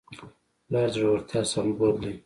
پلار د زړورتیا سمبول دی.